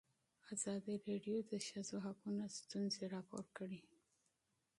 ازادي راډیو د د ښځو حقونه ستونزې راپور کړي.